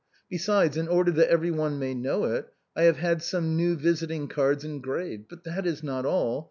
Besides, in order that everyone may know it, I have had some new visiting cards engraved. But that is not all.